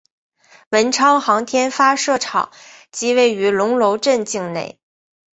文昌航天发射场即位于龙楼镇境内。